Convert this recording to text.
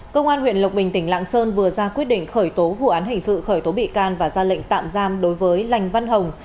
công an huyện lộc bình tỉnh lạng sơn vừa ra quyết định khởi tố vụ án hình sự khởi tố bị can và ra lệnh tạm giam đối với lành văn hồng